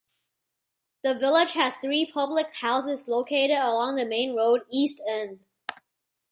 The village has three public houses located along the main road, East End.